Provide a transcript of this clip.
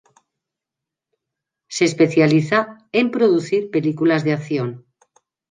Se especializa en producir películas de acción.